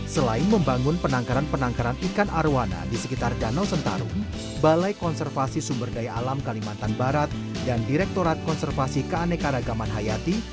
selain membangun penangkaran penangkaran ikan arowana di sekitar danau sentarung balai konservasi sumber daya alam kalimantan barat dan direktorat konservasi keanekaragaman hayati